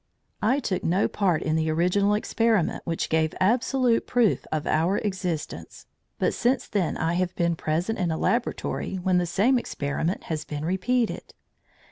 I took no part in the original experiment which gave absolute proof of our existence, but since then I have been present in a laboratory when the same experiment has been repeated.